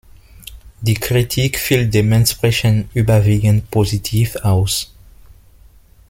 Die Kritik fiel dementsprechend überwiegend positiv aus.